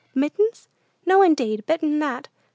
"Mittens? No, indeed! Better'n that!